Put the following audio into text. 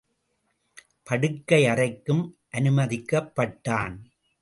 படுக்கை அறைக்கும் அனுமதிக்கப்பட்டான்.